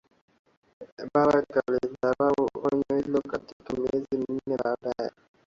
Erbakan alilidharau onyo hilo lakini miezi minne baadae